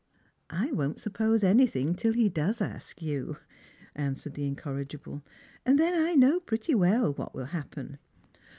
" I won't suppose anything till lie does ask you," answered the incorrigible; "and then I know pretty well what will happen.